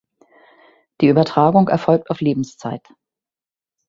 Die Übertragung erfolgt auf Lebenszeit.